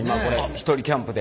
１人キャンプで。